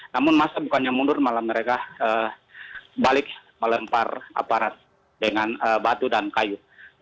namun masa bukannya mundur malah mereka balik melempar aparat dengan batu dan kayu